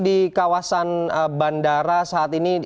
di kawasan bandara saat ini